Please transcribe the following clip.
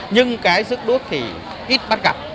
nhưng cái rước đuốc thì ít bắt gặp